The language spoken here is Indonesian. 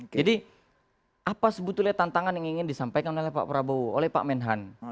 jadi apa sebetulnya tantangan yang ingin disampaikan oleh pak prabowo oleh pak menhan